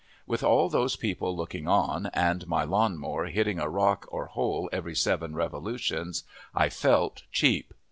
With all those people looking on and my lawn mower hitting a rock or a hole every seven revolutions, I felt cheap.